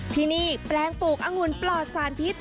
ที่นี่แปลงปลูกอังุ่นปลอดสารพิษ